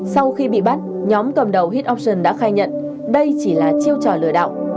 sau khi bị bắt nhóm cầm đầu hit option đã khai nhận đây chỉ là chiêu trò lừa đạo